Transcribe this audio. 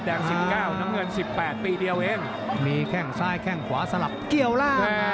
๑๙น้ำเงิน๑๘ปีเดียวเองมีแข้งซ้ายแข้งขวาสลับเกี่ยวล่าง